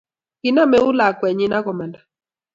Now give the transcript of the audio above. Kinam eut lakwenyi akamanda